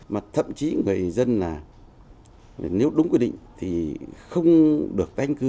mà thậm chí người dân nếu đúng quy định thì không được tanh cư